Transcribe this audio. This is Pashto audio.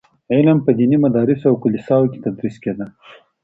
علم په ديني مدرسو او کليساوو کي تدريس کيده.